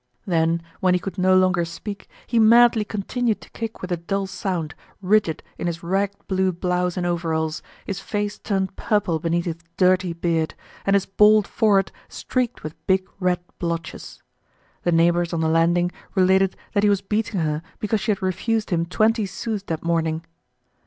Then when he could no longer speak, he madly continued to kick with a dull sound, rigid in his ragged blue blouse and overalls, his face turned purple beneath his dirty beard, and his bald forehead streaked with big red blotches. The neighbors on the landing related that he was beating her because she had refused him twenty sous that morning.